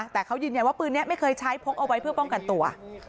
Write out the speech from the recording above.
แต่เขายืนยันว่าปืนนี้ไม่เคยใช้พกเอาไว้เพื่อป้องกันตัว